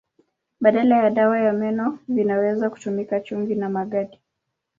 Badala ya dawa ya meno vinaweza kutumika chumvi na magadi.